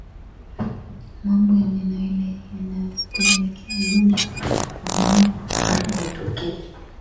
Mambo yanayopelekea ugonjwa wa ndama kuhara kutokea